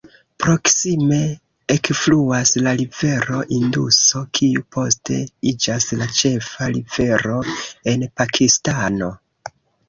Proksime ekfluas la rivero Induso kiu poste iĝas la ĉefa rivero en Pakistano.